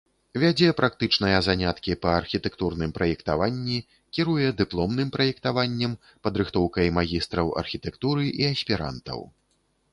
Вядзе практычныя заняткі па архітэктурным праектаванні, кіруе дыпломным праектаваннем, падрыхтоўкай магістраў архітэктуры і аспірантаў.